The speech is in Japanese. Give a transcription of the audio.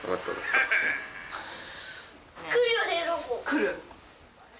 来る？